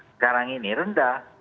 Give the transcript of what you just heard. sekarang ini rendah